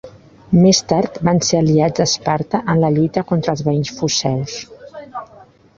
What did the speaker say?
Més tard van ser aliats d'Esparta en la lluita contra els veïns foceus.